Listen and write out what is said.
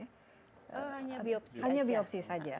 hanya biopsi saja